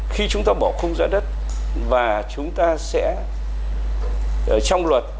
khi chúng ta bỏ khung giá đất và chúng ta sẽ trong luật